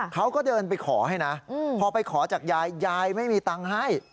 เขาก็เดินไปขอให้นะพอไปขอจากยายยายไม่มีตังค์ให้